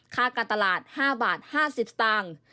ค่าการตลาด๕บาท๕๐สตางค์